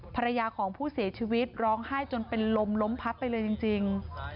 ภรรยาของผู้เสียชีวิตร้องไห้จนเป็นลมล้มพับไปเลยจริง